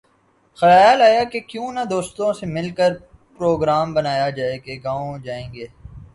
خیال آیا کہ کیوں نہ دوستوں سے مل کر پروگرام بنایا جائے کہ گاؤں جائیں گے